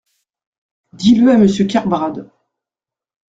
Dis-le à Monsieur Kerbrad.